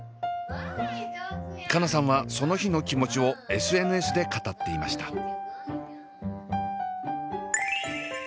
佳奈さんはその日の気持ちをＳＮＳで語っていました。